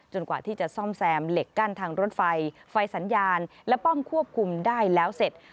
กว่าที่จะซ่อมแซมเหล็กกั้นทางรถไฟไฟสัญญาณและป้อมควบคุมได้แล้วเสร็จ